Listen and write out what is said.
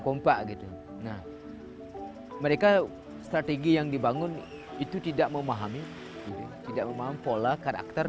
kompak gitu nah mereka strategi yang dibangun itu tidak memahami tidak memahami pola karakter